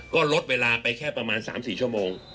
ก็ลดเวลาไปแค่ประมาณ๓๔ชั่วโมง